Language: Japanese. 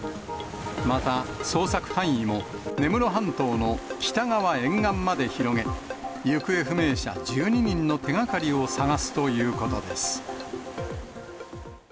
また、捜索範囲も根室半島の北側沿岸まで広げ、行方不明者１２人の手がかりを探すということです。